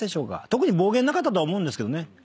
特に暴言なかったと思うんです。